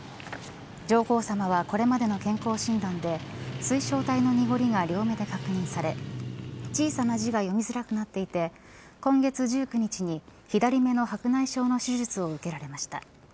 上皇さまはこれまでの健康診断で水晶体の濁りが両目で確認され小さな字が読みづらくなっていて今月１９日に左目の白内障の手術を受けられました。